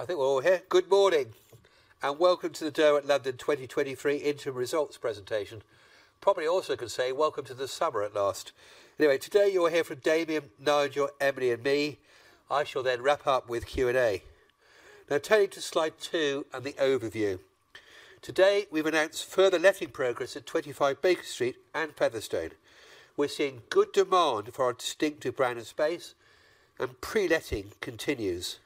I think we're all here. Good morning, welcome to the Derwent London 2023 interim results presentation. Probably also could say welcome to the summer at last. Anyway, today you will hear from Damian, Nigel, Emily, and me. I shall wrap up with Q&A. Now, turning to slide two and the overview. Today, we've announced further letting progress at 25 Baker Street and Featherstone. We're seeing good demand for our distinctive brand of space, pre-letting continues.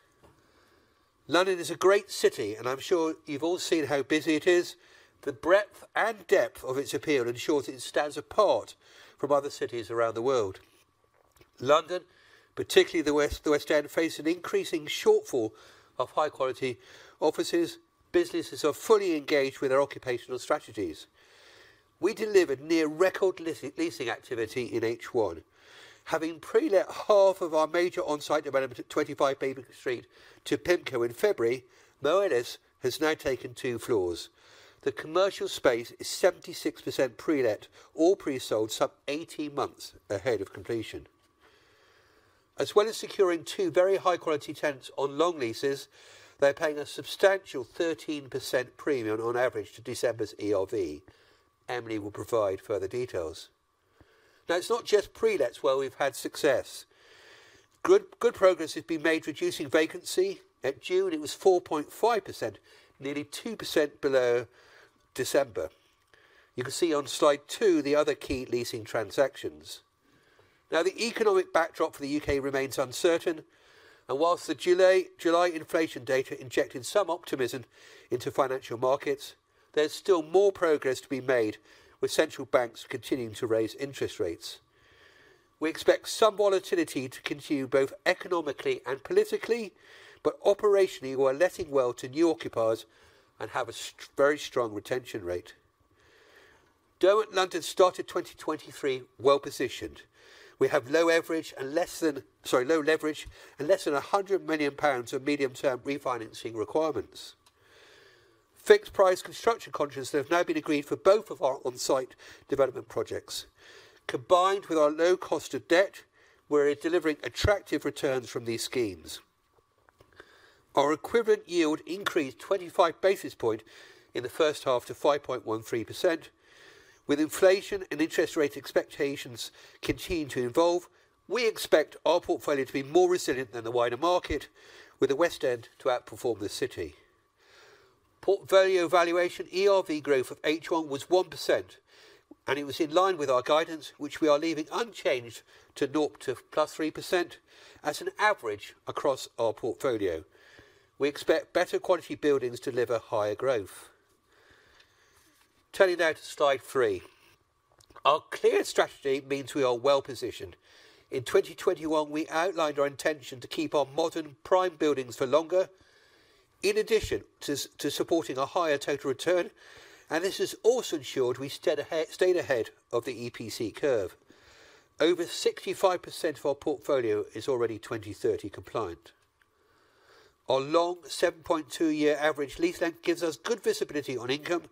London is a great city, I'm sure you've all seen how busy it is. The breadth and depth of its appeal ensures it stands apart from other cities around the world. London, particularly the West, the West End, face an increasing shortfall of high-quality offices. Businesses are fully engaged with our occupational strategies. We delivered near-record leasing activity in H1. Having pre-let 50% of our major on-site development at 25 Baker Street to PIMCO in February, Moelis has now taken two floors. The commercial space is 76% pre-let or pre-sold some 18 months ahead of completion. As well as securing two very high-quality tenants on long leases, they're paying a substantial 13% premium on average to December's ERV. Emily will provide further details. It's not just pre-lets where we've had success. Good, good progress has been made reducing vacancy. At June, it was 4.5%, nearly 2% below December. You can see on slide two the other key leasing transactions. The economic backdrop for the U.K. remains uncertain, whilst the July, July inflation data injected some optimism into financial markets, there's still more progress to be made with central banks continuing to raise interest rates. We expect some volatility to continue, both economically and politically. Operationally, we are letting well to new occupiers and have a very strong retention rate. Derwent London started 2023 well-positioned. We have low leverage and less than 100 million pounds of medium-term refinancing requirements. Fixed-price construction contracts have now been agreed for both of our on-site development projects. Combined with our low cost of debt, we're delivering attractive returns from these schemes. Our equivalent yield increased 25 basis points in the first half to 5.13%. With inflation and interest rate expectations continuing to evolve, we expect our portfolio to be more resilient than the wider market, with the West End to outperform the City. Portfolio valuation, ERV growth of H1 was 1%, it was in line with our guidance, which we are leaving unchanged to 0% to +3% as an average across our portfolio. We expect better quality buildings to deliver higher growth. Turning now to slide three. Our clear strategy means we are well positioned. In 2021, we outlined our intention to keep our modern prime buildings for longer, in addition to supporting a higher total return, this has also ensured we stayed ahead of the EPC curve. Over 65% of our portfolio is already 2030 compliant. Our long 7.2-year average lease length gives us good visibility on income,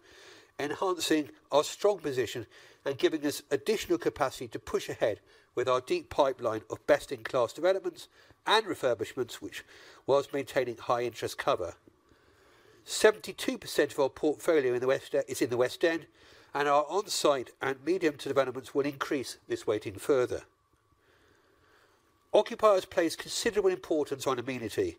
enhancing our strong position and giving us additional capacity to push ahead with our deep pipeline of best-in-class developments and refurbishments, which, whilst maintaining high interest cover. 72% of our portfolio in the West End is in the West End, and our on-site and medium-term developments will increase this weighting further. Occupiers place considerable importance on amenity.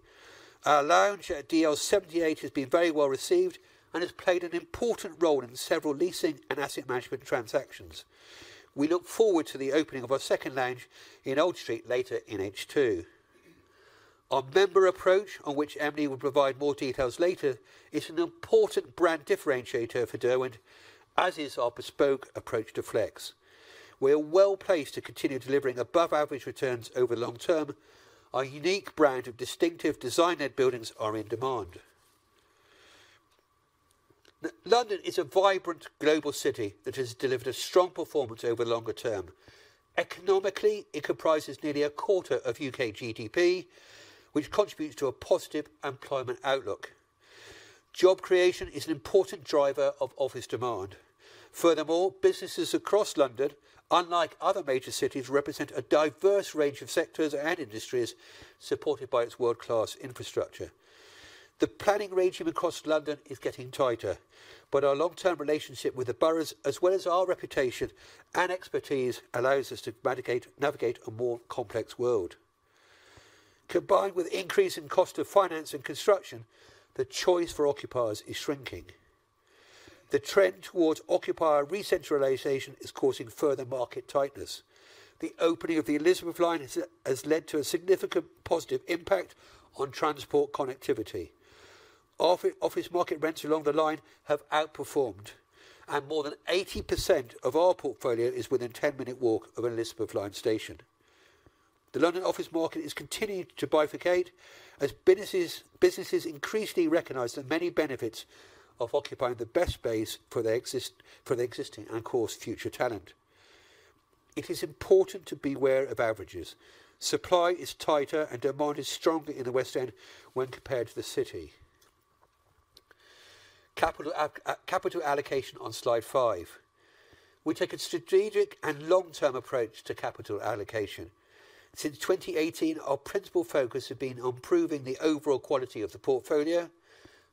Our lounge at DL 78 has been very well received and has played an important role in several leasing and asset management transactions. We look forward to the opening of our second lounge in Old Street later in H2. Our member approach, on which Emily will provide more details later, is an important brand differentiator for Derwent, as is our bespoke approach to flex. We are well-placed to continue delivering above-average returns over the long term. Our unique brand of distinctive design-led buildings are in demand. London is a vibrant global city that has delivered a strong performance over the longer term. Economically, it comprises nearly a quarter of UK GDP, which contributes to a positive employment outlook. Job creation is an important driver of office demand. Businesses across London, unlike other major cities, represent a diverse range of sectors and industries, supported by its world-class infrastructure. The planning regime across London is getting tighter, Our long-term relationship with the boroughs, as well as our reputation and expertise, allows us to navigate a more complex world. Combined with increasing cost of finance and construction, the choice for occupiers is shrinking. The trend towards occupier recentralization is causing further market tightness. The opening of the Elizabeth line has led to a significant positive impact on transport connectivity. Office market rents along the line have outperformed, and more than 80% of our portfolio is within a 10-minute walk of an Elizabeth line station. The London office market is continuing to bifurcate as businesses increasingly recognize the many benefits of occupying the best space for their existing and, of course, future talent. It is important to be aware of averages. Supply is tighter, and demand is stronger in the West End when compared to the City. Capital out, capital allocation on slide five. We take a strategic and long-term approach to capital allocation. Since 2018, our principal focus has been on improving the overall quality of the portfolio,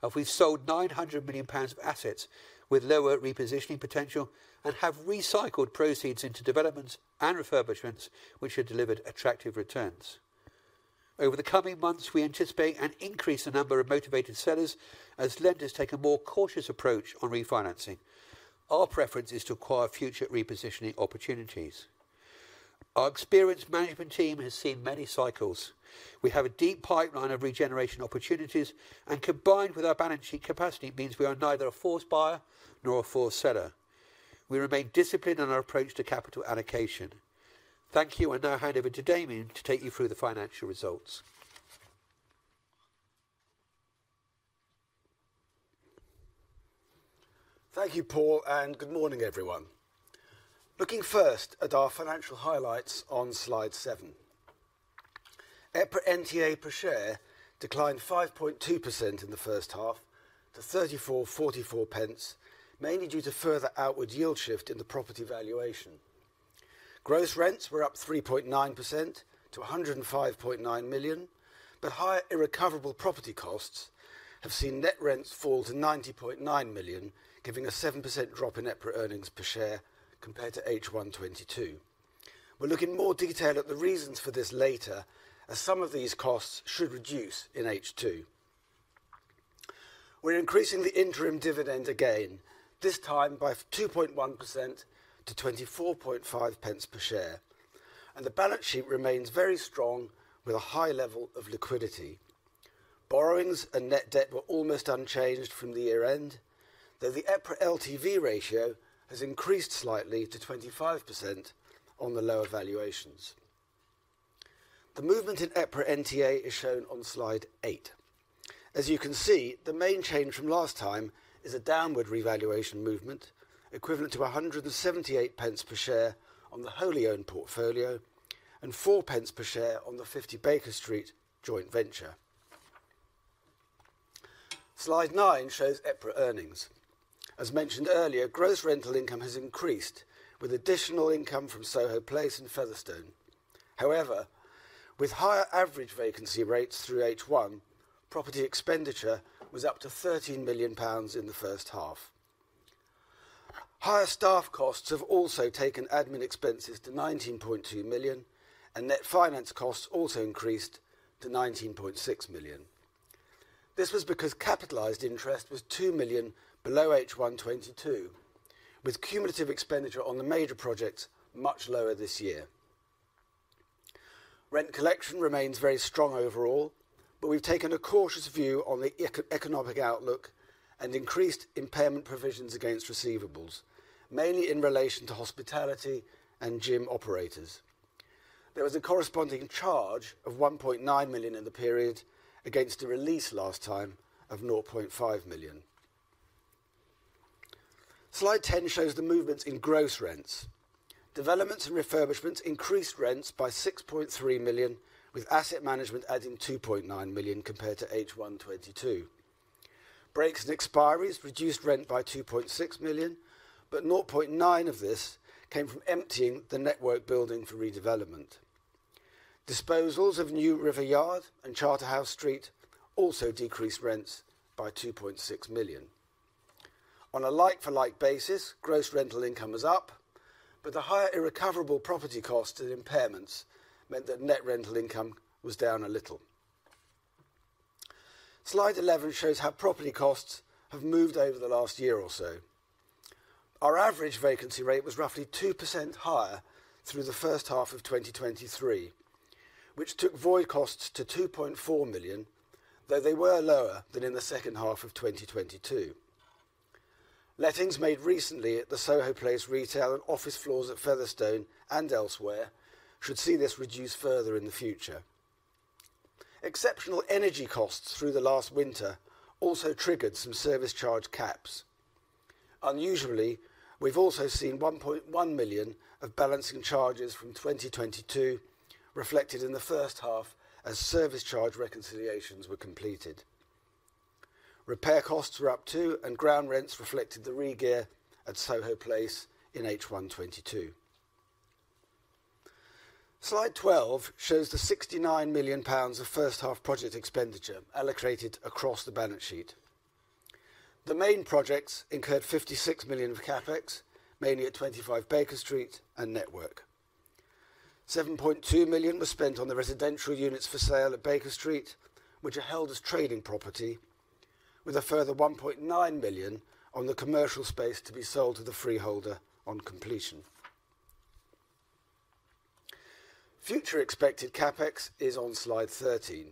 and we've sold 900 million pounds of assets with lower repositioning potential and have recycled proceeds into developments and refurbishments, which have delivered attractive returns. Over the coming months, we anticipate an increase in number of motivated sellers as lenders take a more cautious approach on refinancing. Our preference is to acquire future repositioning opportunities. Our experienced management team has seen many cycles. We have a deep pipeline of regeneration opportunities, and combined with our balance sheet capacity, means we are neither a forced buyer nor a forced seller. We remain disciplined in our approach to capital allocation. Thank you, and now I hand over to Damian to take you through the financial results. Thank you, Paul. Good morning, everyone. Looking first at our financial highlights on slide seven. EPRA NTA per share declined 5.2% in the first half to 0.3444, mainly due to further outward yield shift in the property valuation. Gross rents were up 3.9% to 105.9 million. Higher irrecoverable property costs have seen net rents fall to 90.9 million, giving a 7% drop in EPRA earnings per share compared to H1 2022. We'll look in more detail at the reasons for this later, as some of these costs should reduce in H2. We're increasing the interim dividend again, this time by 2.1% to 0.245 per share. The balance sheet remains very strong with a high level of liquidity. Borrowings and net debt were almost unchanged from the year-end, though the EPRA LTV ratio has increased slightly to 25% on the lower valuations. The movement in EPRA NTA is shown on Slide eight. As you can see, the main change from last time is a downward revaluation movement, equivalent to 178 pence per share on the wholly owned portfolio and 4 pence per share on the Fifty Baker Street joint venture. Slide nine shows EPRA earnings. As mentioned earlier, gross rental income has increased with additional income from Soho Place and Featherstone. However, with higher average vacancy rates through H1, property expenditure was up to 13 million pounds in the first half. Higher staff costs have also taken admin expenses to 19.2 million, and net finance costs also increased to 19.6 million. This was because capitalized interest was 2 million below H1 2022, with cumulative expenditure on the major projects much lower this year. Rent collection remains very strong overall, but we've taken a cautious view on the economic outlook and increased impairment provisions against receivables, mainly in relation to hospitality and gym operators. There was a corresponding charge of 1.9 million in the period against a release last time of 0.5 million. Slide 10 shows the movements in gross rents. Developments and refurbishments increased rents by 6.3 million, with asset management adding 2.9 million compared to H1 2022. Breaks and expiries reduced rent by 2.6 million, but 0.9 of this came from emptying the network building for redevelopment. Disposals of New River Yard and Charterhouse Street also decreased rents by 2.6 million. On a like-for-like basis, gross rental income is up, but the higher irrecoverable property costs and impairments meant that net rental income was down a little. Slide 11 shows how property costs have moved over the last year or so. Our average vacancy rate was roughly 2% higher through the first half of 2023, which took void costs to 2.4 million, though they were lower than in the second half of 2022. Lettings made recently at the Soho Place retail and office floors at Featherstone and elsewhere should see this reduce further in the future. Exceptional energy costs through the last winter also triggered some service charge caps. Unusually, we've also seen 1.1 million of balancing charges from 2022 reflected in the first half as service charge reconciliations were completed. Repair costs were up, too, and ground rents reflected the regear at Soho Place in H1 2022. Slide 12 shows the 69 million pounds of 1st half project expenditure allocated across the balance sheet. The main projects incurred 56 million of CapEx, mainly at 25 Baker Street and Network. 7.2 million was spent on the residential units for sale at Baker Street, which are held as trading property, with a further 1.9 million on the commercial space to be sold to the freeholder on completion. Future expected CapEx is on slide 13.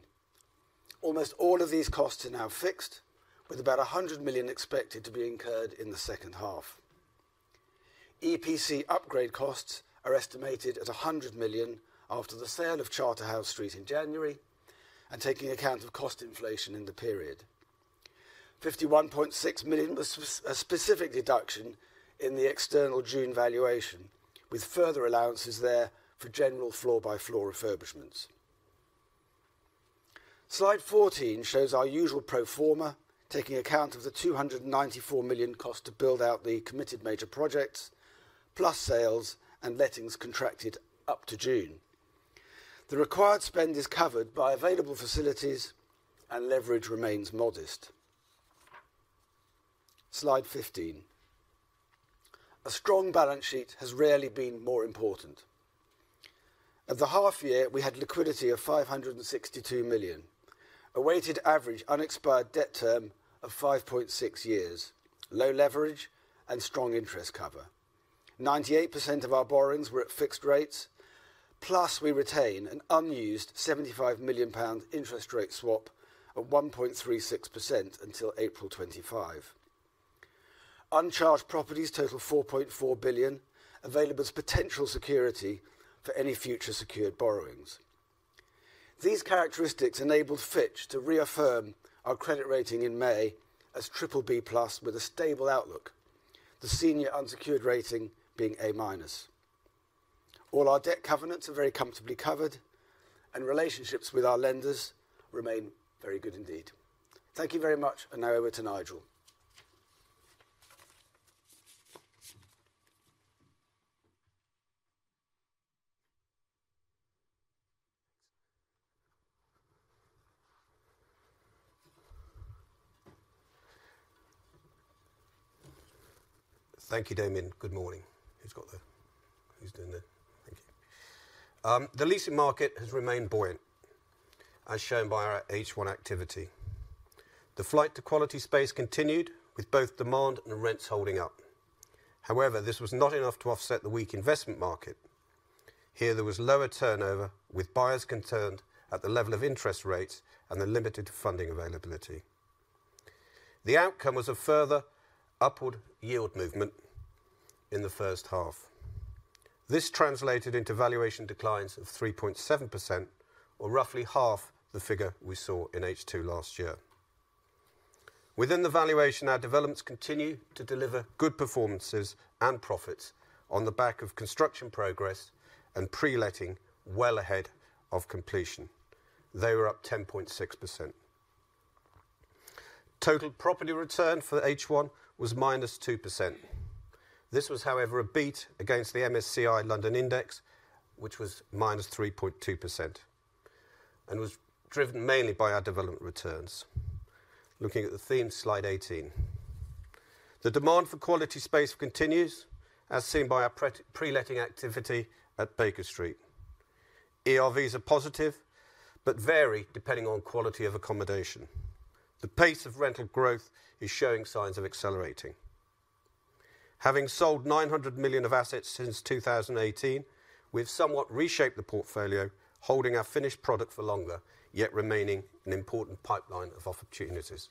Almost all of these costs are now fixed, with about 100 million expected to be incurred in the 2nd half. EPC upgrade costs are estimated at 100 million after the sale of Charterhouse Street in January and taking account of cost inflation in the period. 51.6 million was a specific deduction in the external June valuation, with further allowances there for general floor-by-floor refurbishments. Slide 14 shows our usual pro forma, taking account of the 294 million cost to build out the committed major projects, plus sales and lettings contracted up to June. The required spend is covered by available facilities, leverage remains modest. Slide 15. A strong balance sheet has rarely been more important. At the half year, we had liquidity of 562 million, a weighted average unexpired debt term of 5.6 years, low leverage, and strong interest cover. 98% of our borrowings were at fixed rates, plus we retain an unused GBP 75 million interest rate swap of 1.36% until April 2025. Uncharged properties total 4.4 billion, available as potential security for any future secured borrowings. These characteristics enabled Fitch to reaffirm our credit rating in May as BBB+, with a stable outlook, the senior unsecured rating being A-. All our debt covenants are very comfortably covered, relationships with our lenders remain very good indeed. Thank you very much, now over to Nigel. Thank you, Damian. Good morning. Who's got the... Who's doing the- Thank you. The leasing market has remained buoyant, as shown by our H1 activity. The flight to quality space continued, with both demand and rents holding up. This was not enough to offset the weak investment market. Here, there was lower turnover, with buyers concerned at the level of interest rates and the limited funding availability. The outcome was a further upward yield movement in the first half. This translated into valuation declines of 3.7%, or roughly half the figure we saw in H2 last year. Within the valuation, our developments continue to deliver good performances and profits on the back of construction progress and pre-letting well ahead of completion. They were up 10.6%. Total property return for H1 was -2%. This was, however, a beat against the MSCI London Index, which was -3.2%, and was driven mainly by our development returns. Looking at the theme, slide 18. The demand for quality space continues, as seen by our pre-letting activity at Baker Street. ERVs are positive but vary depending on quality of accommodation. The pace of rental growth is showing signs of accelerating. Having sold 900 million of assets since 2018, we've somewhat reshaped the portfolio, holding our finished product for longer, yet remaining an important pipeline of opportunities.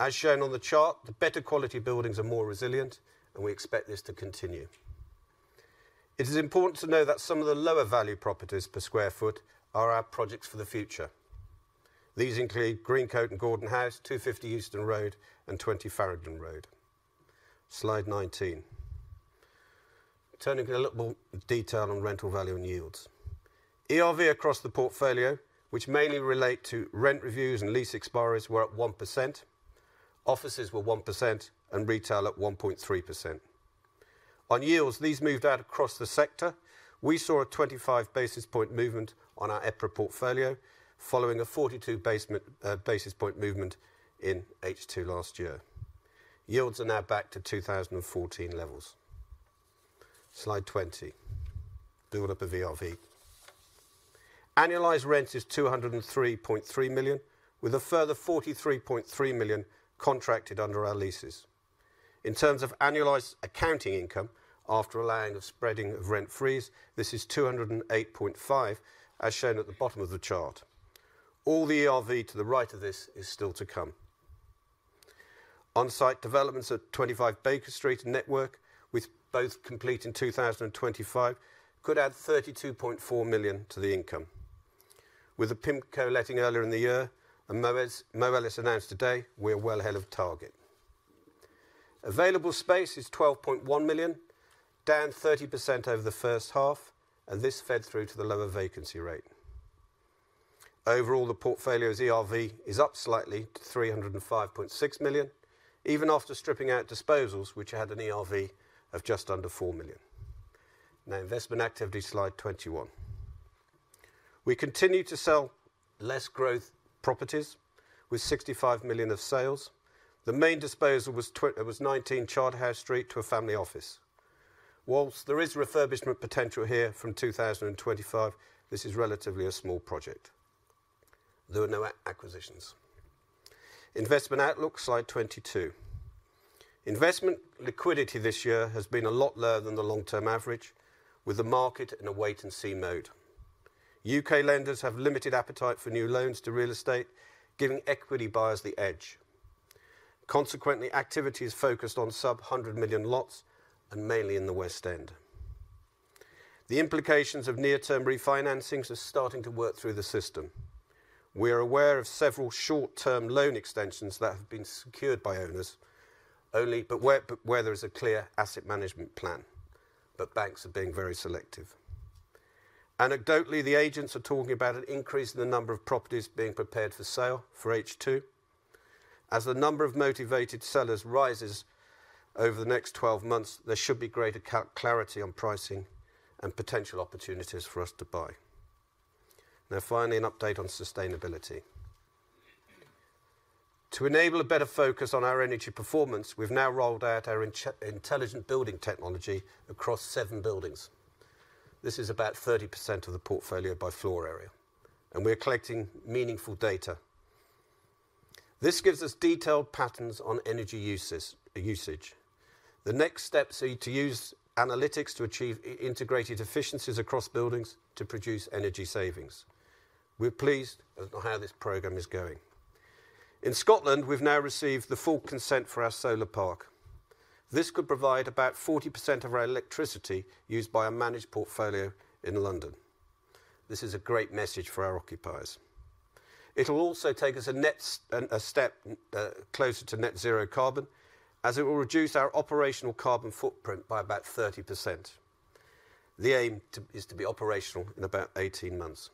As shown on the chart, the better quality buildings are more resilient, and we expect this to continue. It is important to note that some of the lower value properties per sq ft are our projects for the future. These include Greencoat & Gordon House, 250 Euston Road, and 20 Farringdon Road. Slide 19. Turning to a little more detail on rental value and yields. ERV across the portfolio, which mainly relate to rent reviews and lease expiries, were up 1%, offices were 1%, and retail at 1.3%. On yields, these moved out across the sector. We saw a 25 basis point movement on our EPRA portfolio, following a 42 basis point movement in H2 last year. Yields are now back to 2014 levels. Slide 20. Build up of ERV. Annualized rent is 203.3 million, with a further 43.3 million contracted under our leases. In terms of annualized accounting income, after allowing and spreading of rent freeze, this is 208.5, as shown at the bottom of the chart. All the ERV to the right of this is still to come. On-site developments at 25 Baker Street and Network, with both complete in 2025, could add 32.4 million to the income. With the PIMCO letting earlier in the year, Moelis announced today, we're well ahead of target. Available space is 12.1 million, down 30% over the first half, this fed through to the lower vacancy rate. Overall, the portfolio's ERV is up slightly to 305.6 million, even after stripping out disposals, which had an ERV of just under 4 million. Investment activity, slide 21. We continue to sell less growth properties, with 65 million of sales. The main disposal was 19 Charterhouse Street to a family office. Whilst there is refurbishment potential here from 2025, this is relatively a small project. There were no acquisitions. Investment outlook, slide 22. Investment liquidity this year has been a lot lower than the long-term average, with the market in a wait and see mode. U.K. lenders have limited appetite for new loans to real estate, giving equity buyers the edge. Consequently, activity is focused on sub-GBP 100 million lots and mainly in the West End. The implications of near-term refinancings are starting to work through the system. We are aware of several short-term loan extensions that have been secured by owners, only, where there is a clear asset management plan. Banks are being very selective. Anecdotally, the agents are talking about an increase in the number of properties being prepared for sale for H2. As the number of motivated sellers rises over the next 12 months, there should be greater clarity on pricing and potential opportunities for us to buy. Now, finally, an update on sustainability. To enable a better focus on our energy performance, we've now rolled out our intelligent building technology across seven buildings. This is about 30% of the portfolio by floor area, and we are collecting meaningful data. This gives us detailed patterns on energy uses, usage. The next steps are to use analytics to achieve integrated efficiencies across buildings to produce energy savings. We're pleased with how this program is going. In Scotland, we've now received the full consent for our solar park. This could provide about 40% of our electricity used by our managed portfolio in London. This is a great message for our occupiers. It'll also take us and a step closer to net zero carbon, as it will reduce our operational carbon footprint by about 30%. The aim is to be operational in about 18 months.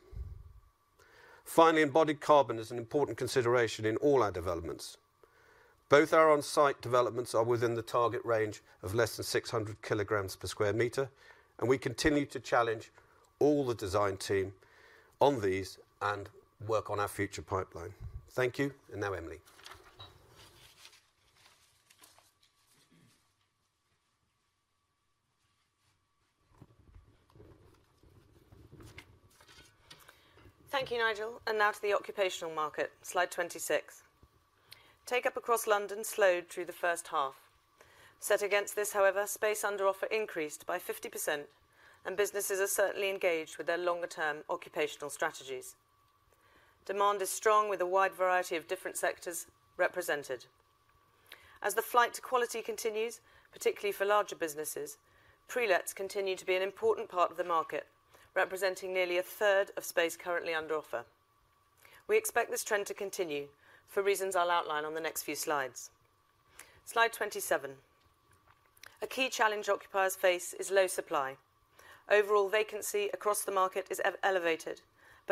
Embodied carbon is an important consideration in all our developments. Both our on-site developments are within the target range of less than 600 kilograms per square meter. We continue to challenge all the design team on these and work on our future pipeline. Thank you. Now, Emily. Thank you, Nigel. Now to the occupational market. Slide 26. Take-up across London slowed through the first half. Set against this, however, space under offer increased by 50%, and businesses are certainly engaged with their longer-term occupational strategies. Demand is strong, with a wide variety of different sectors represented. As the flight to quality continues, particularly for larger businesses, pre-lets continue to be an important part of the market, representing nearly a third of space currently under offer. We expect this trend to continue for reasons I'll outline on the next few slides. Slide 27. A key challenge occupiers face is low supply. Overall vacancy across the market is elevated,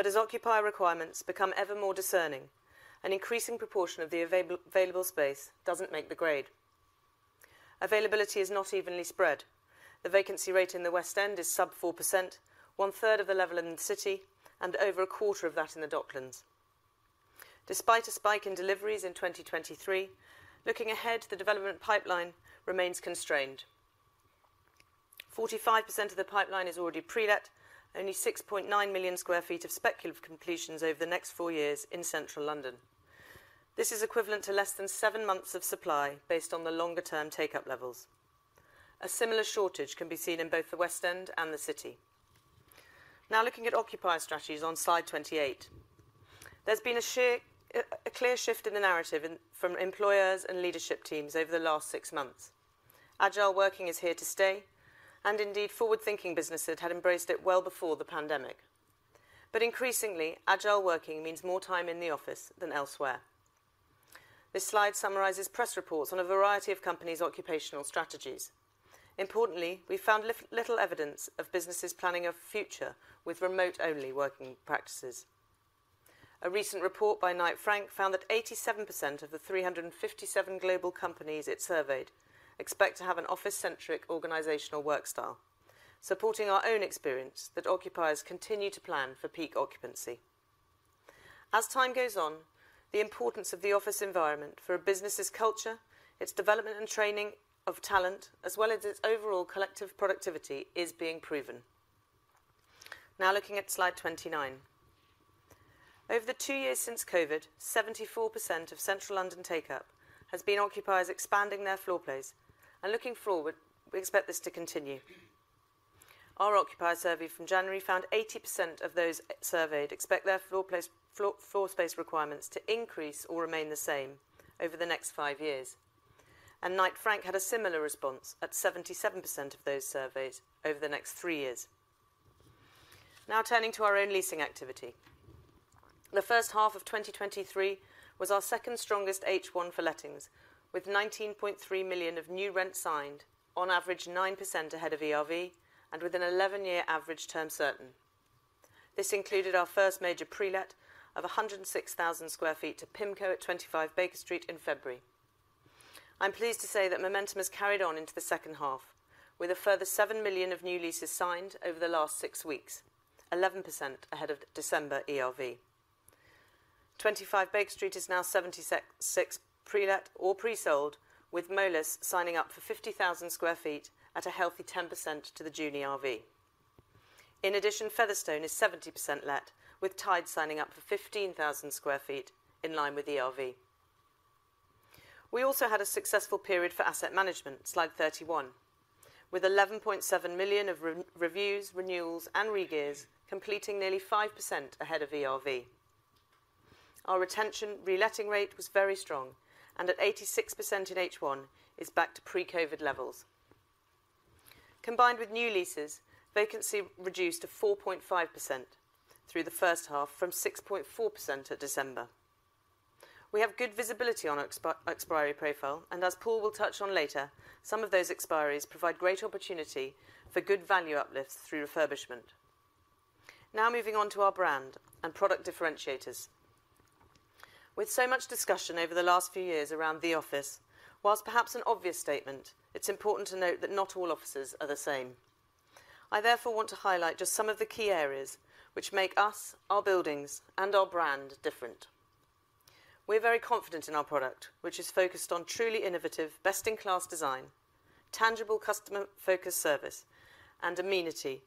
as occupier requirements become ever more discerning, an increasing proportion of the available space doesn't make the grade. Availability is not evenly spread. The vacancy rate in the West End is sub 4%, one-third of the level in the City, and over a quarter of that in the Docklands. Despite a spike in deliveries in 2023, looking ahead, the development pipeline remains constrained. 45% of the pipeline is already pre-let, only 6.9 million sq ft of speculative completions over the next four years in central London. This is equivalent to less than seven months of supply, based on the longer-term take-up levels. A similar shortage can be seen in both the West End and the City. Looking at occupier strategies on slide 28. There's been a clear shift in the narrative from employers and leadership teams over the last six months. Agile working is here to stay, and indeed, forward-thinking businesses had embraced it well before the pandemic. Increasingly, agile working means more time in the office than elsewhere. This slide summarizes press reports on a variety of companies' occupational strategies. Importantly, we found little evidence of businesses planning a future with remote-only working practices. A recent report by Knight Frank found that 87% of the 357 global companies it surveyed expect to have an office-centric organizational work style, supporting our own experience that occupiers continue to plan for peak occupancy. As time goes on, the importance of the office environment for a business's culture, its development and training of talent, as well as its overall collective productivity, is being proven. Now, looking at slide 29. Over the two years since COVID, 74% of central London take-up has been occupiers expanding their floor plates. Looking forward, we expect this to continue. Our occupier survey from January found 80% of those surveyed expect their floor space requirements to increase or remain the same over the next five years. Knight Frank had a similar response at 77% of those surveyed over the next three years. Now, turning to our own leasing activity. The first half of 2023 was our second strongest H1 for lettings, with 19.3 million of new rent signed, on average, 9% ahead of ERV and with an 11-year average term certain. This included our first major pre-let of 106,000 sq ft to PIMCO at 25 Baker Street in February. I'm pleased to say that momentum has carried on into the second half, with a further 7 million of new leases signed over the last six weeks, 11% ahead of December ERV. 25 Baker Street is now 76% pre-let or pre-sold, with Moelis signing up for 50,000 sq ft at a healthy 10% to the June ERV. In addition, Featherstone is 70% let, with Tide signing up for 15,000 sq ft in line with the ERV. We also had a successful period for asset management, slide 31, with 11.7 million of reviews, renewals, and re-gears, completing nearly 5% ahead of ERV. Our retention reletting rate was very strong, and at 86% in H1, is back to pre-COVID levels. Combined with new leases, vacancy reduced to 4.5% through the first half from 6.4% at December. We have good visibility on expiry profile, and as Paul will touch on later, some of those expiries provide great opportunity for good value uplifts through refurbishment. Now moving on to our brand and product differentiators. With so much discussion over the last few years around the office, whilst perhaps an obvious statement, it's important to note that not all offices are the same. I therefore want to highlight just some of the key areas which make us, our buildings, and our brand different. We're very confident in our product, which is focused on truly innovative, best-in-class design, tangible customer-focused service and amenity,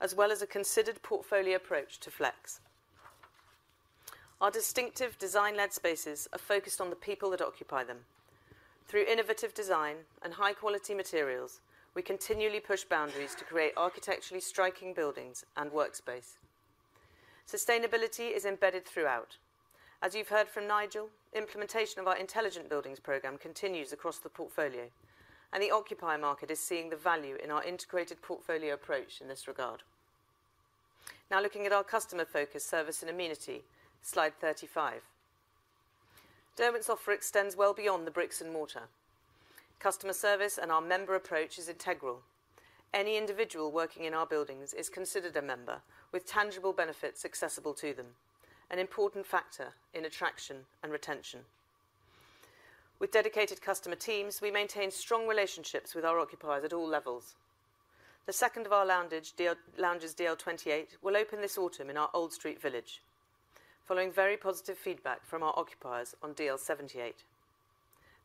as well as a considered portfolio approach to flex. Our distinctive design-led spaces are focused on the people that occupy them. Through innovative design and high-quality materials, we continually push boundaries to create architecturally striking buildings and workspace. Sustainability is embedded throughout. As you've heard from Nigel, implementation of our intelligent buildings program continues across the portfolio, and the occupier market is seeing the value in our integrated portfolio approach in this regard. Looking at our customer focus, service, and amenity, slide 35. Derwent's offer extends well beyond the bricks and mortar. Customer service and our member approach is integral. Any individual working in our buildings is considered a member with tangible benefits accessible to them, an important factor in attraction and retention. With dedicated customer teams, we maintain strong relationships with our occupiers at all levels. The second of our lounges, DL, lounges, DL 28, will open this autumn in our Old Street village, following very positive feedback from our occupiers on DL 78.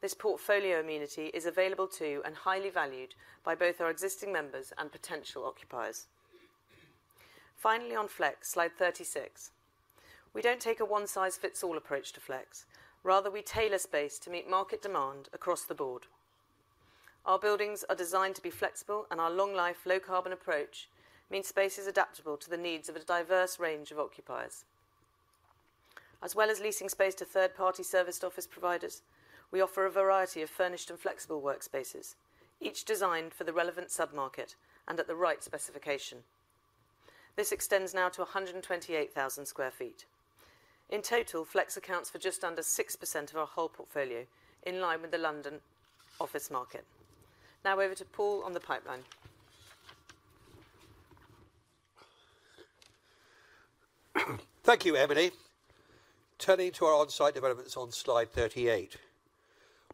This portfolio amenity is available to and highly valued by both our existing members and potential occupiers. On flex, slide 36. We don't take a one-size-fits-all approach to flex. Rather, we tailor space to meet market demand across the board. Our buildings are designed to be flexible, our long-life, low-carbon approach means space is adaptable to the needs of a diverse range of occupiers. As well as leasing space to third-party serviced office providers, we offer a variety of furnished and flexible workspaces, each designed for the relevant submarket and at the right specification. This extends now to 128,000 sq ft. In total, flex accounts for just under 6% of our whole portfolio, in line with the London office market. Over to Paul on the pipeline. Thank you, Emily. Turning to our on-site developments on slide 38.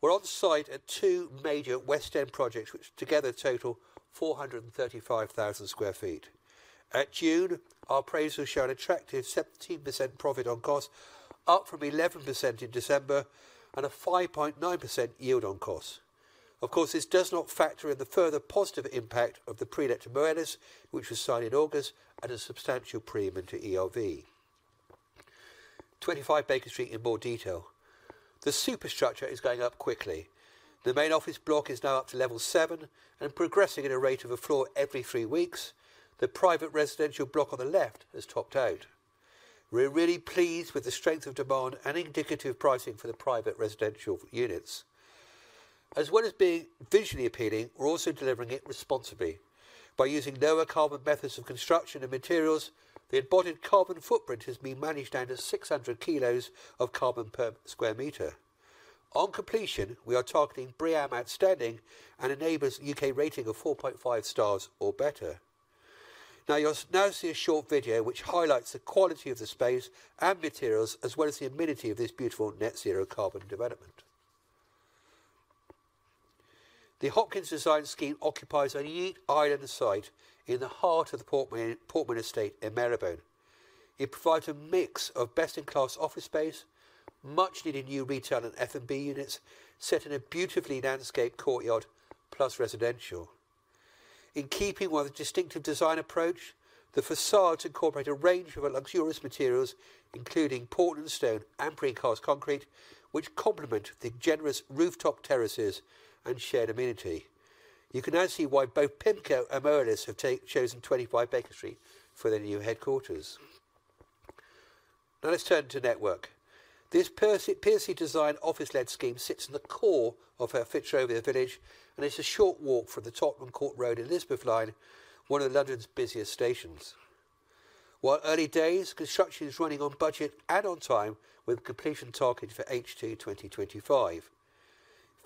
We're on site at two major West End projects, which together total 435,000 sq ft. At June, our appraisals show an attractive 17% profit on cost, up from 11% in December, and a 5.9% yield on cost. Of course, this does not factor in the further positive impact of the prelet to Moelis, which was signed in August at a substantial premium to ERV. 25 Baker Street in more detail. The superstructure is going up quickly. The main office block is now up to level seven and progressing at a rate of a floor every three weeks. The private residential block on the left has topped out. We're really pleased with the strength of demand and indicative pricing for the private residential units. As well as being visually appealing, we're also delivering it responsibly. By using lower carbon methods of construction and materials, the embodied carbon footprint has been managed down to 600 kilos of carbon per square meter. On completion, we are targeting BREEAM Outstanding and a NABERS UK rating of 4.5 stars or better. You'll now see a short video, which highlights the quality of the space and materials, as well as the amenity of this beautiful net zero carbon development. The Hopkins Design scheme occupies a unique island site in the heart of The Portman Estate in Marylebone. It provides a mix of best-in-class office space, much-needed new retail and F&B units, set in a beautifully landscaped courtyard, plus residential. In keeping with the distinctive design approach, the facades incorporate a range of luxurious materials, including Portland stone and precast concrete, which complement the generous rooftop terraces and shared amenity. You can now see why both PIMCO and Moelis have chosen 25 Baker Street for their new headquarters. Let's turn to Network. This Piercy&Company designed office-led scheme sits in the core of Fitzrovia Village, and it's a short walk from the Tottenham Court Road and Elizabeth line, one of London's busiest stations. While early days, construction is running on budget and on time, with completion targeted for H2 2025.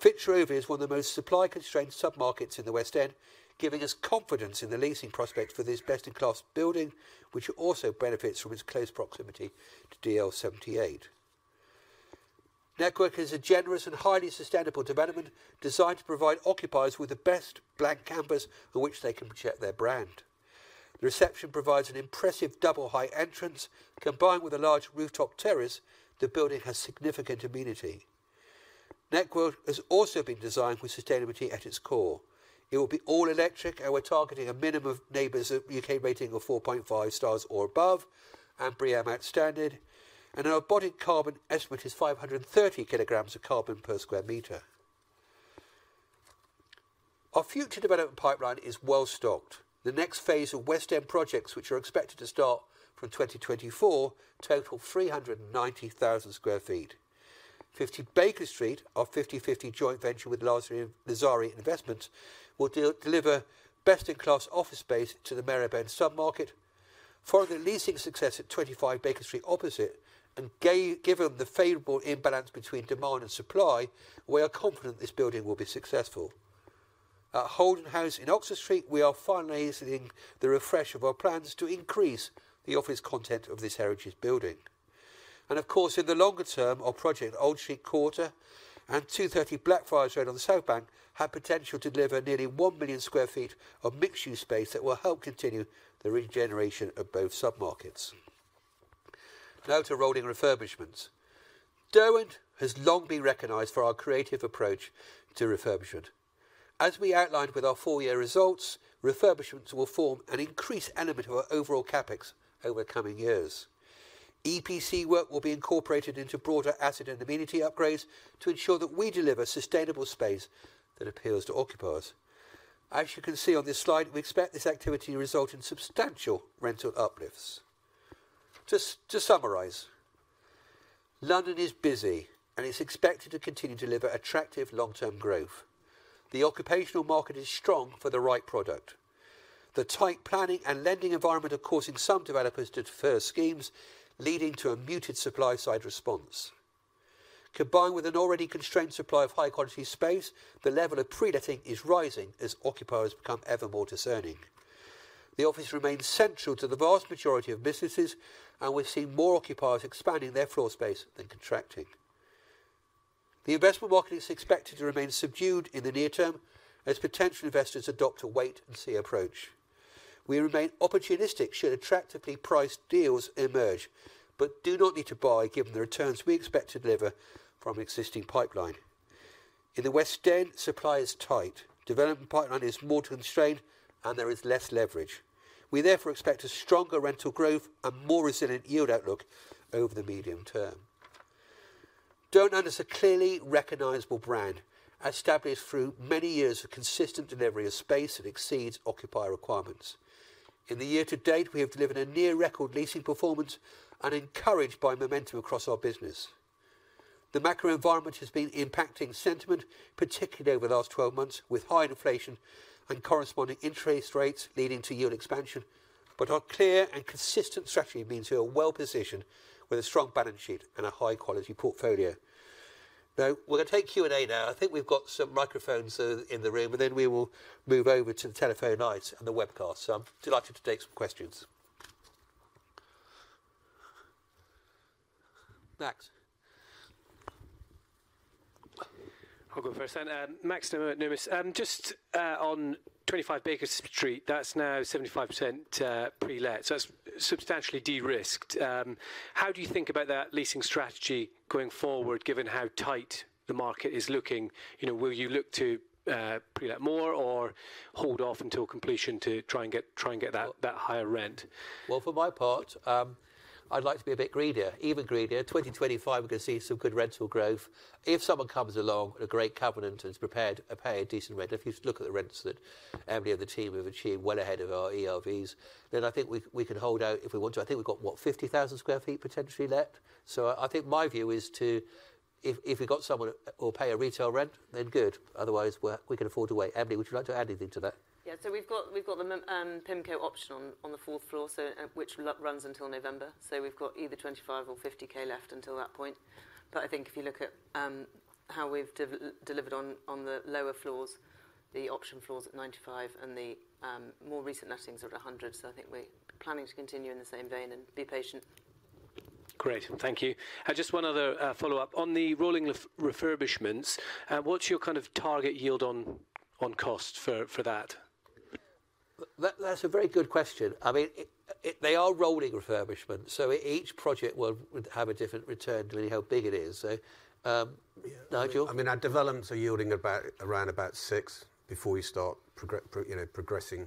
Fitzrovia is one of the most supply-constrained submarkets in the West End, giving us confidence in the leasing prospects for this best-in-class building, which also benefits from its close proximity to DL 78. Network is a generous and highly sustainable development designed to provide occupiers with the best blank canvas for which they can project their brand. The reception provides an impressive double-height entrance. Combined with a large rooftop terrace, the building has significant amenity. Network has also been designed with sustainability at its core. It will be all electric, and we're targeting a minimum of NABERS UK rating of 4.5 stars or above and BREEAM Outstanding, and our embodied carbon estimate is 530 kilograms of carbon per square meter. Our future development pipeline is well stocked. The next phase of West End projects, which are expected to start from 2024, total 390,000 sq ft. Fifty Baker Street, our 50/50 joint venture with Lazari Investments, will deliver best-in-class office space to the Marylebone sub-market. Following the leasing success at 25 Baker Street opposite, given the favorable imbalance between demand and supply, we are confident this building will be successful. At Holden House in Oxford Street, we are finalizing the refresh of our plans to increase the office content of this heritage building. Of course, in the longer term, our project, Old Street Quarter and 230 Blackfriars Road on the South Bank, have potential to deliver nearly 1 million sq ft of mixed-use space that will help continue the regeneration of both sub-markets. Now to rolling refurbishments. Derwent has long been recognized for our creative approach to refurbishment. As we outlined with our full year results, refurbishments will form an increased element of our overall CapEx over the coming years. EPC work will be incorporated into broader asset and amenity upgrades to ensure that we deliver sustainable space that appeals to occupiers. As you can see on this slide, we expect this activity to result in substantial rental uplifts. To summarize, London is busy, and it's expected to continue to deliver attractive long-term growth. The occupational market is strong for the right product. The tight planning and lending environment are causing some developers to defer schemes, leading to a muted supply-side response. Combined with an already constrained supply of high-quality space, the level of pre-letting is rising as occupiers become ever more discerning. The office remains central to the vast majority of businesses, and we've seen more occupiers expanding their floor space than contracting. The investment market is expected to remain subdued in the near term, as potential investors adopt a wait and see approach. We remain opportunistic should attractively priced deals emerge, but do not need to buy, given the returns we expect to deliver from existing pipeline. In the West End, supply is tight, development pipeline is more constrained, and there is less leverage. We therefore expect a stronger rental growth and more resilient yield outlook over the medium term. Derwent is a clearly recognizable brand, established through many years of consistent delivery of space that exceeds occupier requirements. In the year to date, we have delivered a near-record leasing performance and encouraged by momentum across our business. The macro environment has been impacting sentiment, particularly over the last 12 months, with high inflation and corresponding interest rates leading to yield expansion. Our clear and consistent strategy means we are well-positioned with a strong balance sheet and a high-quality portfolio. We're going to take Q&A now. I think we've got some microphones, in the room, and then we will move over to the telephone lines and the webcast. I'm delighted to take some questions. Max? I'll go first. Max, Numis. Just on 25 Baker Street, that's now 75% pre-let, so that's substantially de-risked. How do you think about that leasing strategy going forward, given how tight the market is looking? You know, will you look to pre-let more or hold off until completion to try and get, try and get that, that higher rent? Well, for my part, I'd like to be a bit greedier, even greedier. 2025, we can see some good rental growth. If someone comes along, a great covenant, and is prepared to pay a decent rent, if you look at the rents that Emily and the team have achieved well ahead of our ERVs, then I think we, we can hold out if we want to. I think we've got, what, 50,000 square feet potentially left? I think my view is if, if we've got someone or pay a retail rent, then good. Otherwise, we're, we can afford to wait. Emily, would you like to add anything to that? Yeah. We've got, we've got the PIMCO option on, on the fourth floor, which runs until November. We've got either 25 K or 50 K left until that point. I think if you look at, how we've delivered on, on the lower floors, the option floor is at 95, and the more recent lettings are at 100. I think we're planning to continue in the same vein and be patient. Great, thank you. Just 1 other follow-up. On the rolling refurbishments, what's your kind of target yield on, on cost for, for that? That, that's a very good question. I mean, they are rolling refurbishments, so each project will, will have a different return, depending on how big it is. Nigel? I mean, our developments are yielding about, around about 6% before we start you know, progressing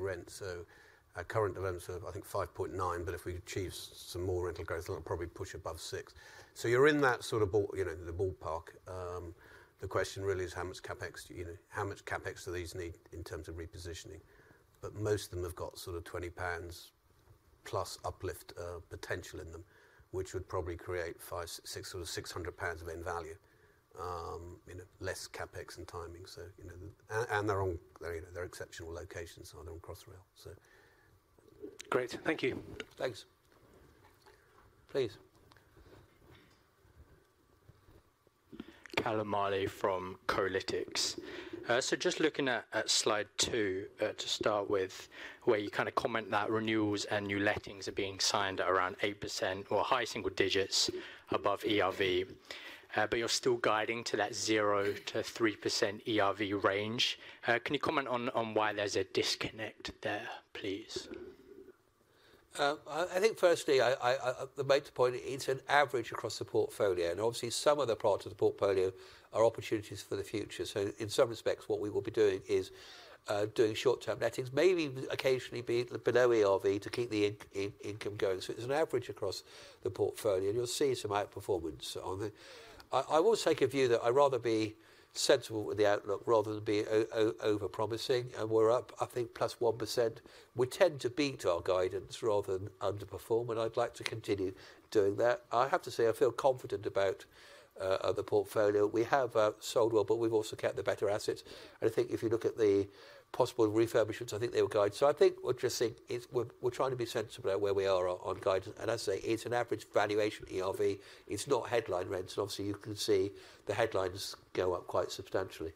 rent. Our current developments are, I think, 5.9%, but if we achieve some more rental growth, it'll probably push above 6%. You're in that sort of ball, you know, the ballpark. The question really is how much CapEx, you know, how much CapEx do these need in terms of repositioning? Most of them have got sort of 20+ pounds uplift potential in them, which would probably create 500-600 pounds of end value. You know, less CapEx and timing, so, you know, and they're all, they're exceptional locations, so they're on crossrail. Great. Thank you. Thanks. Please. Callum Marley from Kolytics. Just looking at slide two to start with, where you kind of comment that renewals and new lettings are being signed at around 8% or high single digits above ERV, but you're still guiding to that 0%-3% ERV range. Can you comment on why there's a disconnect there, please? I think firstly, to make the point, it's an average across the portfolio. Obviously some other parts of the portfolio are opportunities for the future. In some respects, what we will be doing is doing short-term lettings, maybe occasionally be below ERV to keep the income going. It's an average across the portfolio. You'll see some outperformance on it. I always take a view that I'd rather be sensible with the outlook rather than be overpromising. We're up, I think, +1%. We tend to beat our guidance rather than underperform. I'd like to continue doing that. I have to say, I feel confident about the portfolio. We have sold well. We've also kept the better assets. I think if you look at the possible refurbishments, I think they will guide. I think what you're seeing is we're trying to be sensible about where we are on guidance. I say, it's an average valuation ERV. It's not headline rents, and obviously, you can see the headlines go up quite substantially.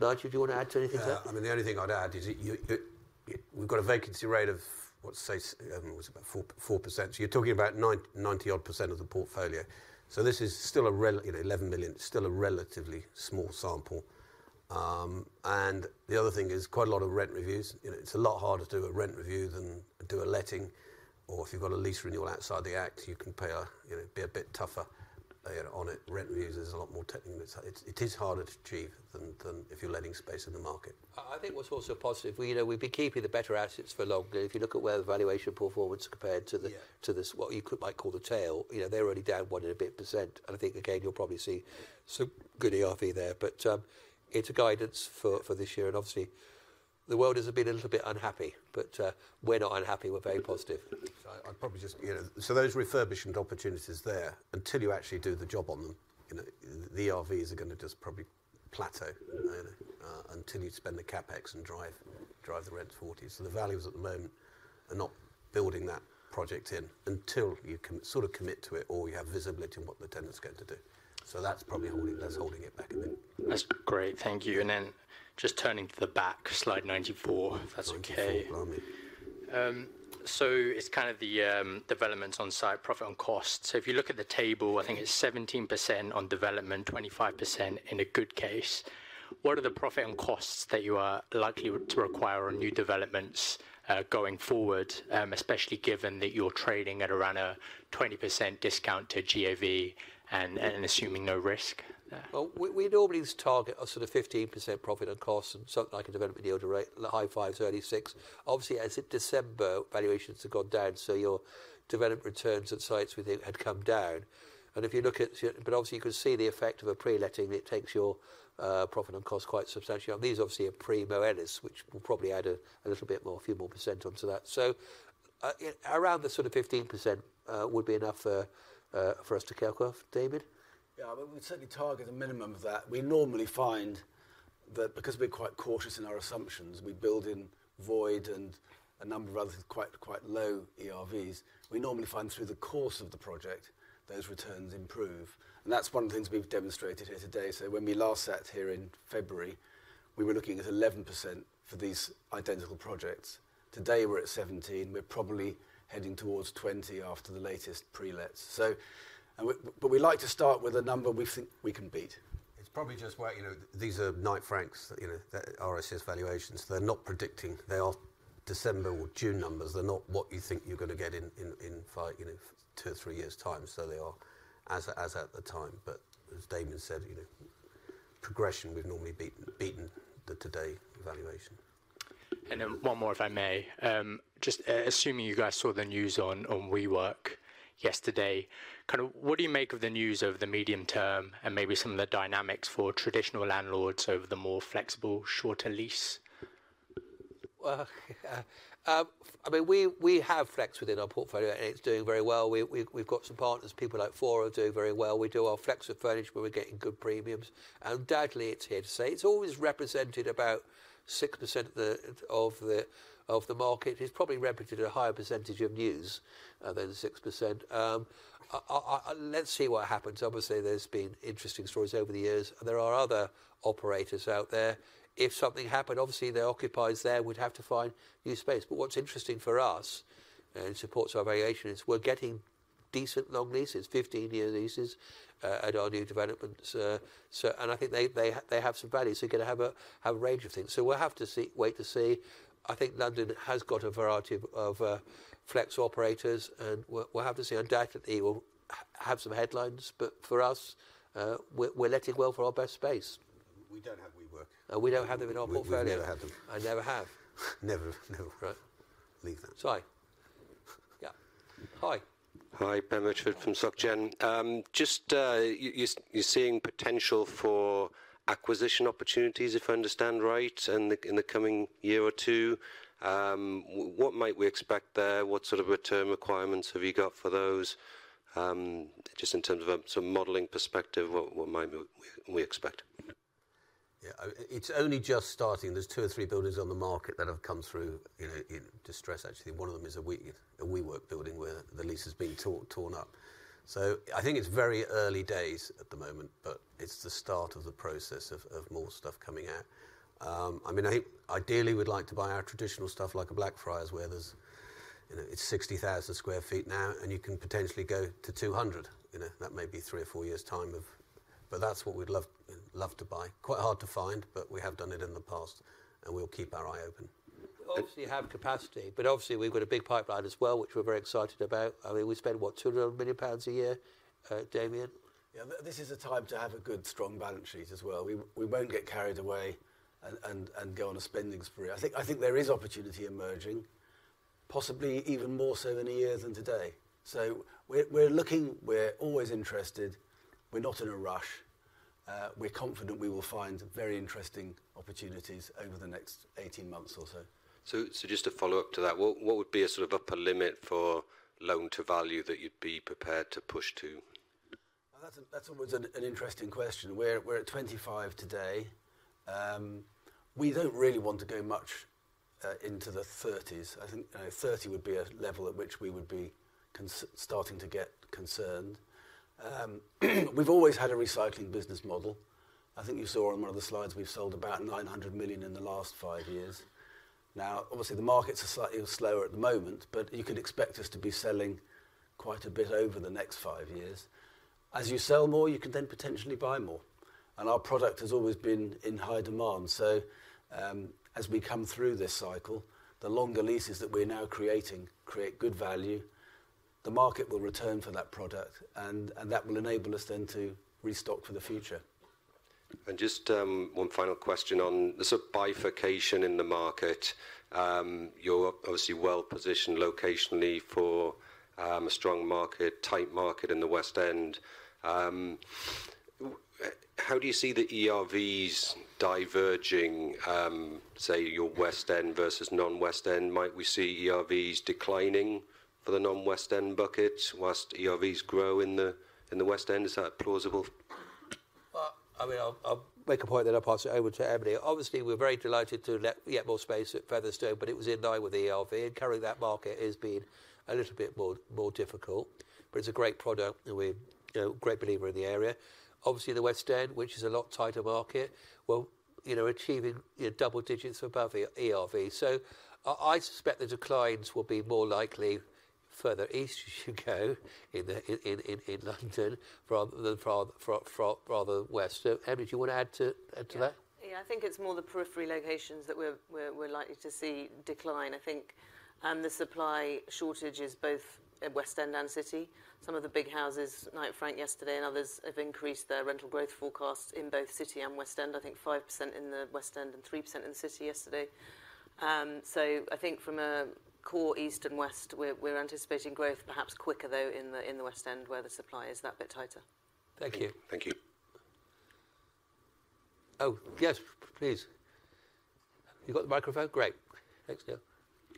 Nigel, do you want to add to anything there? Yeah, I mean, the only thing I'd add is that we've got a vacancy rate of, what, say, it was about 4%. You're talking about 90 odd percent of the portfolio. This is still, you know, 11 million, still a relatively small sample. The other thing is quite a lot of rent reviews. You know, it's a lot harder to do a rent review than do a letting. If you've got a lease renewal outside the act, you can pay a, you know, be a bit tougher on it. Rent reviews is a lot more technically... It's, it is harder to achieve than if you're letting space in the market. I, I think what's also positive, we know we'll be keeping the better assets for longer. If you look at where the valuation performance compared to the-. Yeah... to this, what you could, might call the tail, you know, they're only down one and a bit %, and I think again, you'll probably see some good ERV there. It's a guidance for, for this year, and obviously, the world has been a little bit unhappy, but, we're not unhappy. We're very positive. I'd probably just, you know. Those refurbishing opportunities there, until you actually do the job on them, you know, the ERVs are gonna just probably plateau, until you spend the CapEx and drive, drive the rents forward. The values at the moment are not building that project in until you can sort of commit to it or you have visibility in what the tenant's going to do. That's probably holding, that's holding it back a bit. That's great. Thank you. Then just turning to the back, slide 94, if that's okay. 94, blimey. It's kind of the developments on-site, profit on cost. If you look at the table, I think it's 17% on development, 25% in a good case. What are the profit and costs that you are likely to require on new developments, going forward, especially given that you're trading at around a 20% discount to GAV and, and assuming no risk? Well, we, we normally target a sort of 15% profit on cost and something like a development yield rate, the high fives, early six. Obviously, as of December, valuations have gone down, so your development returns at sites with it had come down. If you look at, but obviously, you can see the effect of a pre-letting, it takes your profit on cost quite substantially. These obviously are pre Moelis, which will probably add a little bit more, a few more % onto that. Around the sort of 15%, would be enough for us to calculate, Damian? Yeah, but we certainly target a minimum of that. We normally find that because we're quite cautious in our assumptions, we build in void and a number of rather quite, quite low ERVs. We normally find through the course of the project, those returns improve, and that's one of the things we've demonstrated here today. When we last sat here in February, we were looking at 11% for these identical projects. Today, we're at 17. We're probably heading towards 20 after the latest pre-lets. We like to start with a number we think we can beat. It's probably just where, you know, these are Knight Frank's, you know, RICS valuations. They're not predicting. They are December or June numbers. They're not what you think you're gonna get in, in, in five, you know, two, three years' time. They are as, as at the time, but as Damian said, you know, progression, we've normally beaten, beaten the today valuation. Then one more, if I may. just assuming you guys saw the news on, on WeWork yesterday, kind of what do you make of the news over the medium term and maybe some of the dynamics for traditional landlords over the more flexible, shorter lease? I mean, we, we have flex within our portfolio, and it's doing very well. We, we've, we've got some partners, people like Fora, doing very well. We do our flex with furniture, where we're getting good premiums. Undoubtedly, it's here to stay. It's always represented about 6% of the, of the, of the market. It's probably represented a higher percentage of news than 6%. Let's see what happens. Obviously, there's been interesting stories over the years, there are other operators out there. If something happened, obviously, the occupiers there would have to find new space. What's interesting for us, and it supports our valuation, is we're getting decent long leases, 15-year leases, at our new developments. I think they, they, they have some value. You're gonna have a, have a range of things. We'll have to see, wait to see. I think London has got a variety of, of, flex operators, and we'll, we'll have to see. Undoubtedly, we'll have some headlines, but for us, we're letting well for our best space. We don't have WeWork. We don't have them in our portfolio. We've never had them. I never have. Never, no. Right. Leave that. Sorry. Yeah. Hi. Hi, Ben Mitchard from Société Générale. You're seeing potential for acquisition opportunities, if I understand right, in the coming year or two. What might we expect there? What sort of return requirements have you got for those? Just in terms of a modeling perspective, what might we expect? Yeah, it's only just starting. There's two or three buildings on the market that have come through in, in distress, actually. One of them is a WeWork building where the lease has been torn, torn up. I think it's very early days at the moment, but it's the start of the process of, of more stuff coming out. I mean, I ideally would like to buy our traditional stuff like a Blackfriars, where there's, you know, it's 60,000 sq ft now, and you can potentially go to 200. You know, that may be three or four years' time of... That's what we'd love, love to buy. Quite hard to find, but we have done it in the past, and we'll keep our eye on. ... obviously, we have capacity, but obviously, we've got a big pipeline as well, which we're very excited about. I mean, we spend, what? 200 million pounds a year, Damian? Yeah, this is a time to have a good, strong balance sheet as well. We, we won't get carried away and go on a spending spree. I think, I think there is opportunity emerging, possibly even more so in a year than today. We're, we're looking, we're always interested. We're not in a rush. We're confident we will find very interesting opportunities over the next 18 months or so. Just to follow up to that, what would be a sort of upper limit for loan-to-value that you'd be prepared to push to? Well, that's always an interesting question. We're at 25 today. We don't really want to go much into the 30s. I think 30 would be a level at which we would be starting to get concerned. We've always had a recycling business model. I think you saw on one of the slides, we've sold about 900 million in the last five years. Obviously, the markets are slightly slower at the moment, but you can expect us to be selling quite a bit over the next five years. As you sell more, you can then potentially buy more, and our product has always been in high demand. As we come through this cycle, the longer leases that we're now creating create good value. The market will return for that product, and that will enable us then to restock for the future. Just one final question on the sort of bifurcation in the market. You're obviously well-positioned locationally for a strong market, tight market in the West End. How do you see the ERVs diverging, say, your West End versus non-West End? Might we see ERVs declining for the non-West End bucket, whilst ERVs grow in the, in the West End? Is that plausible? Well, I mean, I'll, I'll make a point, then I'll pass it over to Emily. Obviously, we're very delighted to get more space at Featherstone, it was in line with the ERV, and carrying that market has been a little bit more, more difficult. It's a great product, and we're, you know, a great believer in the area. Obviously, the West End, which is a lot tighter market, will, you know, achieving, you know, double digits above the ERV. I, I suspect the declines will be more likely further east as you go in the, in, in, in London, from the, from, from, from rather west. Emily, do you want to add to, add to that? Yeah. Yeah, I think it's more the periphery locations that we're, we're, we're likely to see decline. I think the supply shortage is both at West End and City. Some of the big houses, Knight Frank yesterday and others, have increased their rental growth forecast in both City and West End. I think 5% in the West End and 3% in the City yesterday. I think from a core east and west, we're, we're anticipating growth, perhaps quicker, though, in the, in the West End, where the supply is that bit tighter. Thank you. Thank you. Oh, yes, please. You got the microphone? Great. Thanks,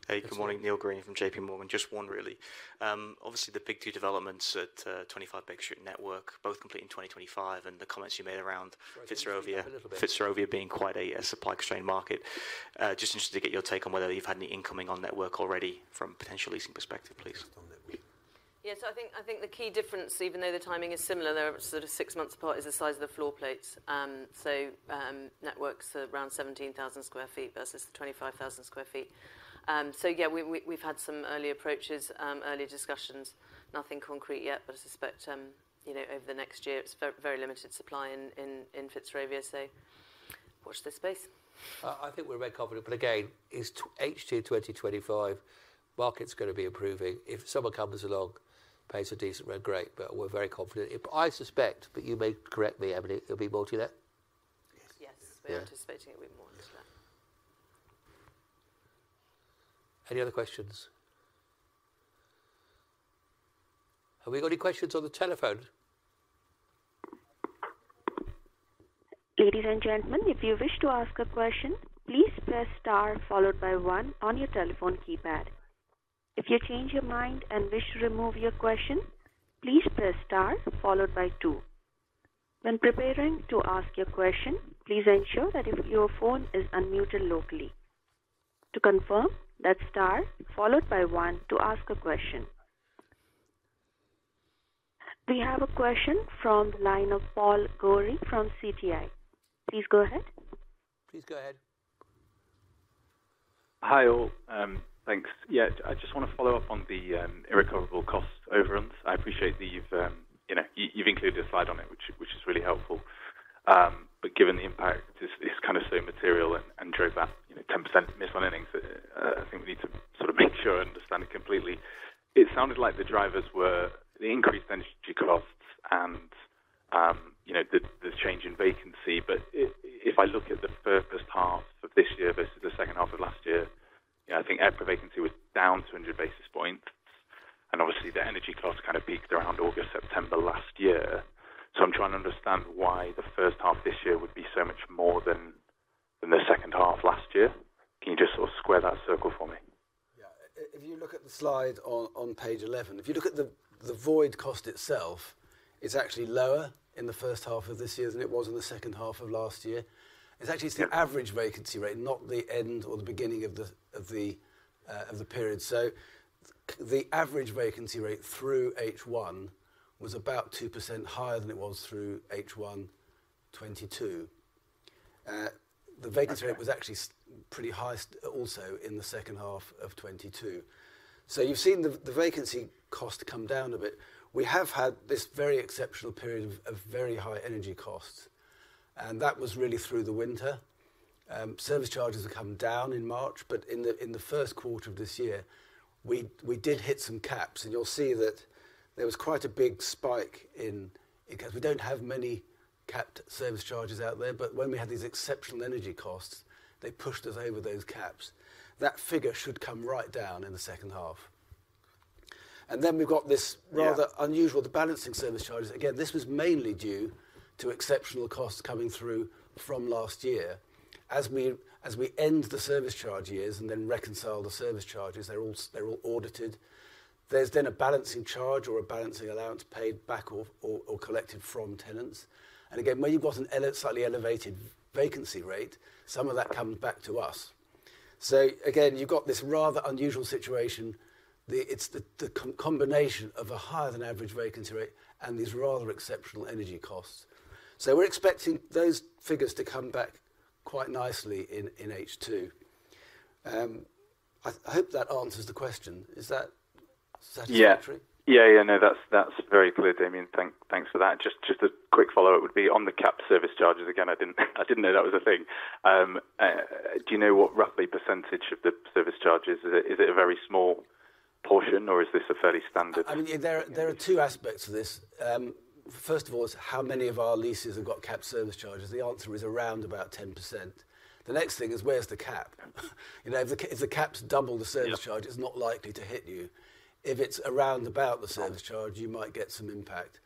Neil. Hey, good morning. Neil Green from JP Morgan. Just one, really. Obviously, the big two developments at 25 Baker Street Network, both complete in 2025, the comments you made around Fitzrovia- A little bit.... Fitzrovia being quite a, a supply-constrained market. Just interested to get your take on whether you've had any incoming on Network already from potential leasing perspective, please? I think, I think the key difference, even though the timing is similar, they're sort of six months apart, is the size of the floor plates. Network are around 17,000 sq ft versus 25,000 sq ft. We, we've, we've had some early approaches, early discussions. Nothing concrete yet, but I suspect, you know, over the next year, it's very limited supply in, in, in Fitzrovia, so watch this space. I think we're very confident, but again, it's H2 2025, market's gonna be improving. If someone comes along, pays a decent rent, great, but we're very confident. If... I suspect, but you may correct me, Emily, it'll be multi-let? Yes. Yes. Yeah. We're anticipating it'll be more multi-let. Any other questions? Have we got any questions on the telephone? Ladies and gentlemen, if you wish to ask a question, please press star followed by one on your telephone keypad. If you change your mind and wish to remove your question, please press star followed by two. When preparing to ask your question, please ensure that your phone is unmuted locally. To confirm, that's star followed by one to ask a question. We have a question from the line of Paul Gorey from CPI. Please go ahead. Please go ahead. Hi, all. Thanks. Yeah, I just want to follow up on the irrecoverable cost overruns. I appreciate that you've, you know, you, you've included a slide on it, which, which is really helpful. Given the impact, this is kind of so material and, and drove that, you know, 10% miss on earnings, I think we need to sort of make sure I understand it completely. It sounded like the drivers were the increased energy costs and, you know, the, the change in vacancy. If I look at the first half of this year versus the second half of last year, I think average vacancy was down 200 basis points, and obviously the energy costs kind of peaked around August, September last year. I'm trying to understand why the first half of this year would be so much more than, than the second half last year. Can you just sort of square that circle for me? Yeah. If you look at the slide on, on page 11, if you look at the, the void cost itself, it's actually lower in the first half of this year than it was in the second half of last year. Yeah. It's actually, it's the average vacancy rate, not the end or the beginning of the, of the, of the period. The average vacancy rate through H1 was about 2% higher than it was through H1 2022. Okay. The vacancy rate was actually pretty high also in the second half of 2022. You've seen the, the vacancy cost come down a bit. We have had this very exceptional period of, of very high energy costs. That was really through the winter. Service charges have come down in March. In the, in the first quarter of this year, we, we did hit some caps. You'll see that there was quite a big spike in, because we don't have many capped service charges out there. When we had these exceptional energy costs, they pushed us over those caps. That figure should come right down in the second half. Then we've got this- Yeah Rather unusual, the balancing service charges. Again, this was mainly due to exceptional costs coming through from last year. As we end the service charge years and then reconcile the service charges, they're all, they're all audited. There's a balancing charge or a balancing allowance paid back off or, or collected from tenants. Again, where you've got a slightly elevated vacancy rate, some of that comes back to us. Again, you've got this rather unusual situation. It's the combination of a higher than average vacancy rate and these rather exceptional energy costs. We're expecting those figures to come back quite nicely in H2. I hope that answers the question. Is that satisfactory? Yeah. Yeah, yeah. No, that's, that's very clear, Damian. Thank, thanks for that. Just, just a quick follow-up would be on the capped service charges, again, I didn't, I didn't know that was a thing. Do you know what roughly % of the service charges? Is it, is it a very small portion, or is this a fairly standard? I mean, there are, there are two aspects to this. First of all, is how many of our leases have got capped service charges? The answer is around about 10%. The next thing is, where's the cap? You know, if the cap's double the service charge- Yeah... it's not likely to hit you. If it's around about the service charge, you might get some impact.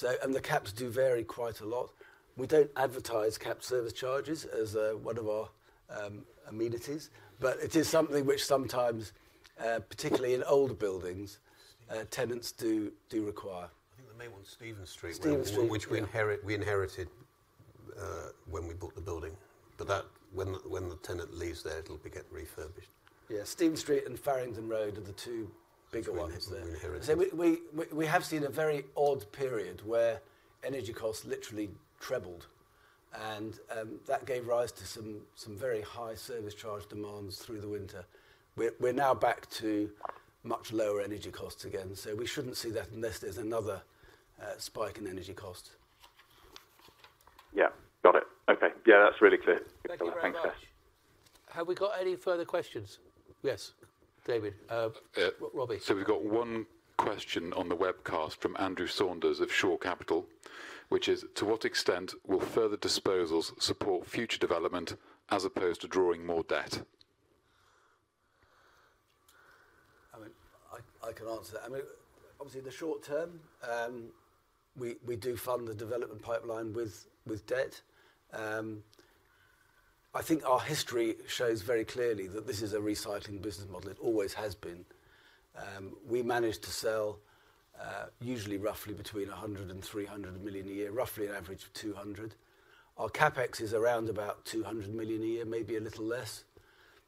The caps do vary quite a lot. We don't advertise capped service charges as one of our amenities, but it is something which sometimes, particularly in older buildings, tenants do, do require. I think the main one, Stephen Street- Stephen Street, yeah. Which we inherit, we inherited, when we bought the building. That, when the, when the tenant leaves there, it'll be getting refurbished. Yeah, Stephen Street and Farringdon Road are the two bigger ones there. Between them, we inherited. We have seen a very odd period where energy costs literally trebled, and that gave rise to some, some very high service charge demands through the winter. We're, we're now back to much lower energy costs again, so we shouldn't see that unless there's another spike in energy cost. Yeah, got it. Okay. Yeah, that's really clear. Thank you. Thank you very much. Thanks. Have we got any further questions? Yes, Damian, Robbie. We've got one question on the webcast from Andrew Saunders of Shore Capital, which is: To what extent will further disposals support future development as opposed to drawing more debt? I mean, I can answer that. I mean, obviously, the short term, we do fund the development pipeline with debt. I think our history shows very clearly that this is a recycling business model. It always has been. We manage to sell, usually roughly between 100 million-300 million a year, roughly an average of 200 million. Our CapEx is around about 200 million a year, maybe a little less.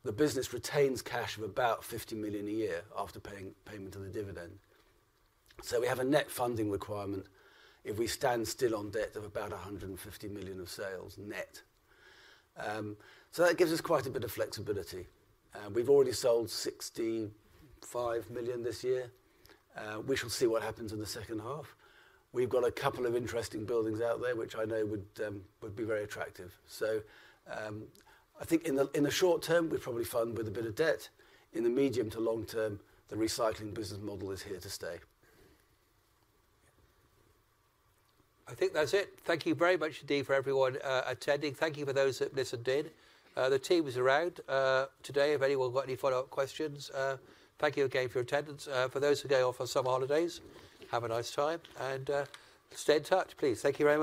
The business retains cash of about 50 million a year after paying payment on the dividend. We have a net funding requirement if we stand still on debt of about 150 million of sales net. That gives us quite a bit of flexibility. We've already sold 65 million this year. We shall see what happens in the second half. We've got a couple of interesting buildings out there, which I know would, would be very attractive. I think in the, in the short term, we'll probably fund with a bit of debt. In the medium to long term, the recycling business model is here to stay. I think that's it. Thank you very much, indeed, for everyone attending. Thank you for those that listened in. The team is around today if anyone's got any follow-up questions. Thank you again for your attendance. For those who are going off on summer holidays, have a nice time, and stay in touch, please. Thank you very much.